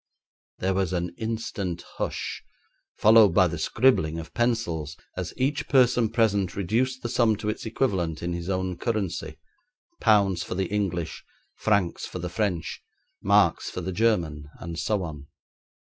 There was an instant hush, followed by the scribbling of pencils, as each person present reduced the sum to its equivalent in his own currency pounds for the English, francs for the French, marks for the German, and so on.